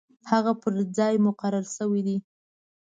هغه پر ځای مقرر شوی دی.